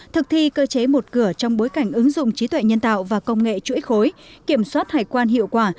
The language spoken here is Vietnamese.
thực thi cơ chế một cửa trong bối cảnh ứng dụng trí tuệ nhân tạo và công nghệ chuỗi khối kiểm soát hải quan hiệu quả